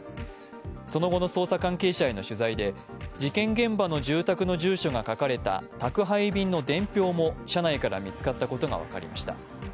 その後の捜査関係者への取材で事件現場の住宅の住所が書かれた宅配便の伝票も車内から見つかったことが分かりました。